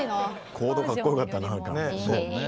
コードかっこよかった。